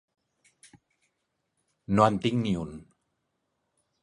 No en tinc ni un.